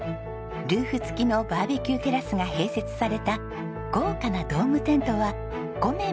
ルーフ付きのバーベキューテラスが併設された豪華なドームテントは５名まで宿泊できます。